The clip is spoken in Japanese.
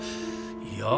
いや。